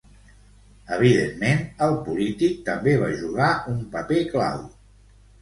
Evidentment, el polític també va jugar un paper clau.